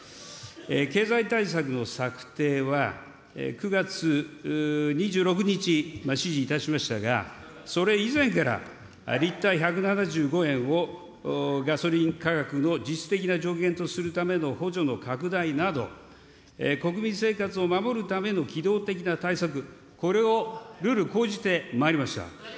経済対策の策定は、９月２６日、指示いたしましたが、それ以前からリッター１７５円をガソリン価格の実質的な上限とするための補助の拡大など、国民生活を守るための機動的な対策、これをるる講じてまいりました。